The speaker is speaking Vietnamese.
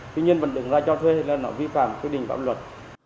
tuy nhiên vẫn đứng ra cho thuê là nó vi phạm quyết định pháp luật